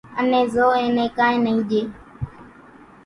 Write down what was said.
انين زو اين نين ڪانئين نئي ڄي